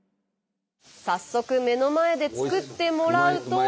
早速目の前で作ってもらうと。